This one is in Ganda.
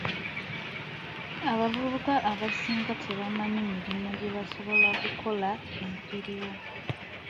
Abavubuka abasinga tebamanyi mirimu gye basobola kukola egiriwo.